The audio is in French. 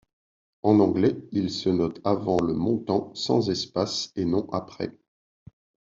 En anglais, il se note avant le montant, sans espace, et non après.